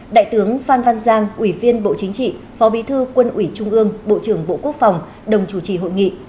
đại tướng phan văn giang ủy viên bộ chính trị phó bí thư quân ủy trung ương bộ trưởng bộ quốc phòng đồng chủ trì hội nghị